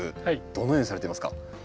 どのようにされていますか？